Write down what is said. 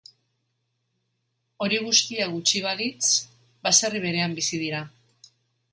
Hori guztia gutxi balitz, baserri berean bizi dira.